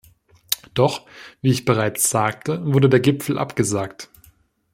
Doch, wie ich bereits sagte, wurde der Gipfel abgesagt.